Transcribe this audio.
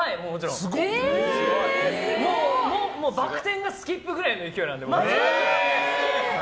すごい！バク転かスキップかぐらいの勢いなので。